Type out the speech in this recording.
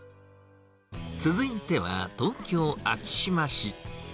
続いては、東京・昭島市。